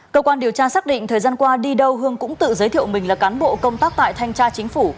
cơ quan điều tra xác định thời gian qua đi đâu hương cũng tự giới thiệu mình là cán bộ công tác tại thanh tra chính phủ